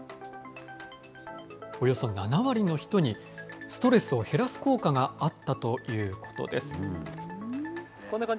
およそ７割の人にストレスを減らす効果があったということです。